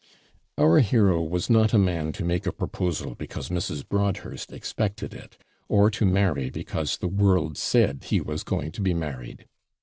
Our hero was not a man to make a proposal because Mrs. Broadhurst expected it, or to marry because the world said he was going to be married.